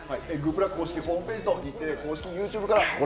グップラ公式ホームページと、日テレ公式ＹｏｕＴｕｂｅからご